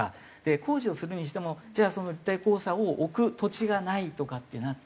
工事をするにしてもじゃあその立体交差を置く土地がないとかってなって。